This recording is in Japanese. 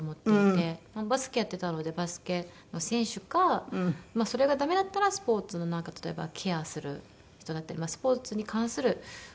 バスケやってたのでバスケの選手かそれがダメだったらスポーツの例えばケアする人だったりスポーツに関するお仕事